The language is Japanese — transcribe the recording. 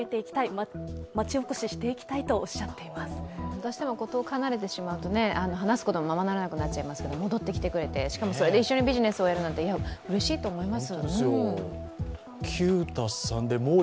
どうしても遠く離れてしまうと話すこともままならなくなってしまいますけど戻ってきてくれて、一緒にビジネスをやってくれるのはうれしいと思います。